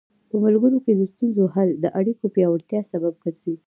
په ملګرو کې د ستونزو حل د اړیکو پیاوړتیا سبب ګرځي.